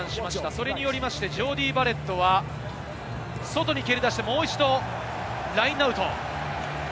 それによってジョーディー・バレットは外に蹴り出して、もう一度ラインアウト。